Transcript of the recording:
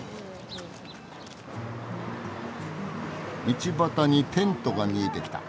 道端にテントが見えてきた。